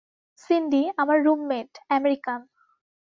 সিন্ডি, আমার roommate, American.